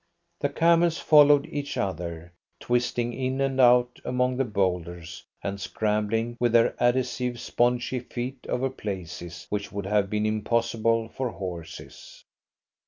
The camels followed each other, twisting in and out among the boulders, and scrambling with their adhesive, spongy feet over places which would have been impossible for horses.